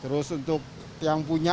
terus untuk yang punya yang punya